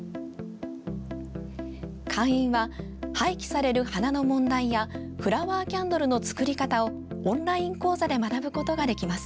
会員は、廃棄される花の問題やフラワーキャンドルの作り方をオンライン講座で学ぶことができます。